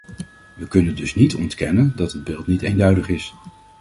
We kunnen dus niet ontkennen dat het beeld niet eenduidig is.